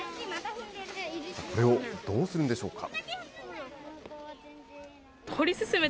これをどうするんでしょうか。